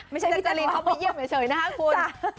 ไม่ใช่พี่จริงพี่เยี่ยมเฉยนะครับคุณ